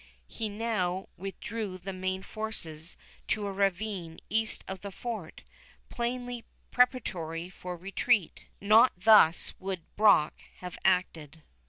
He now withdrew the main forces to a ravine east of the fort, plainly preparatory for retreat. Not thus would Brock have acted.